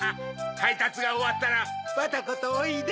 はいたつがおわったらバタコとおいで。